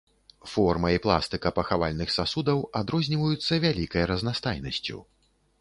Форма і пластыка пахавальных сасудаў адрозніваюцца вялікай разнастайнасцю.